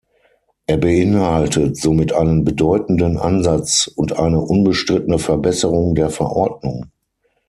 Er beinhaltet somit einen bedeutenden Ansatz und eine unbestrittene Verbesserung der Verordnung.